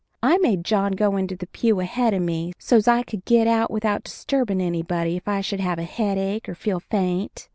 I made John go into the pew ahead of me so's I could get out without disturbin' anybody if I should have a headache or feel faint.